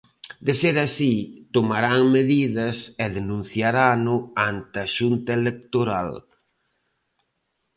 De ser así, tomarán medidas e denunciarano ante a xunta electoral.